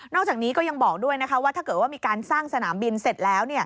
จากนี้ก็ยังบอกด้วยนะคะว่าถ้าเกิดว่ามีการสร้างสนามบินเสร็จแล้ว